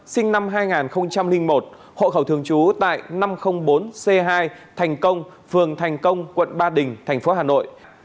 sinh năm hai nghìn một hộ khẩu thường trú tại năm trăm linh bốn c hai thành công phường thành công quận ba đình thành phố hà nội